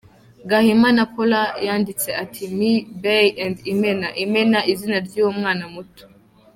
Gahima na Paola, yanditse ati "Me, Bae & Imena" Imena izina ry’uyu mwana muto.